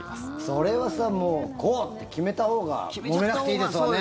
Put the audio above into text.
それはもうこう！って決めたほうがもめなくていいですよね。